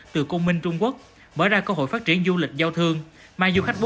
thành phố thủ đức